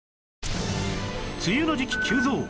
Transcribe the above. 梅雨の時期急増！